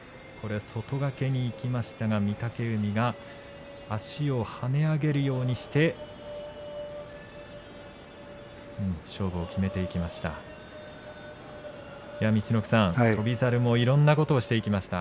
外掛けにいきましたが御嶽海が足を跳ね上げるようにして勝負を決めていきました。